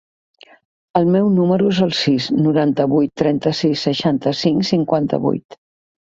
El meu número es el sis, noranta-vuit, trenta-sis, seixanta-cinc, cinquanta-vuit.